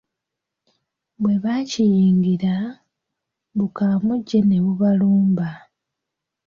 Bwe bakiyingira, bukamuje ne bubalumba.